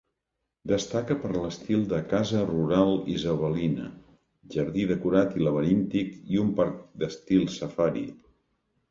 Destaca per l'estil de casa rural isabelina, jardí decorat i laberíntic i un parc d'estil safari.